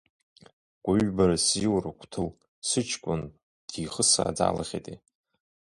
Гәыҩбара сзиуру Қәҭыл, сыҷкәын дихысааӡалахьеитеи?!